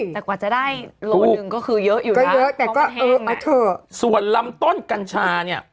แต่กว่าจะได้โลหนึ่งก็คือเยอะอยู่นะส่วนลำต้นกัญชาเนี่ย